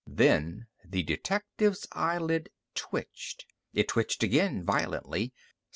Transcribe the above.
Then the detective's eyelid twitched. It twitched again, violently.